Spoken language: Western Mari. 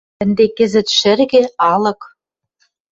Ӹнде кӹзӹт шӹргӹ, алык